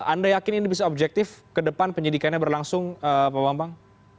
anda yakin ini bisa objektif ke depan penyidikannya berlangsung pak bambang